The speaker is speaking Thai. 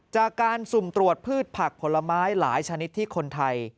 จากการสุ่มตรวจพืชผักผลไม้หลายชนิดที่คนไทย